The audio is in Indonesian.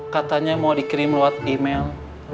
katanya mau dikirim lewat email